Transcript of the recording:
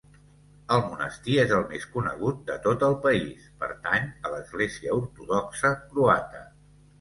El Monestir és el més conegut de tot el país, pertany a l'Església Ortodoxa croata.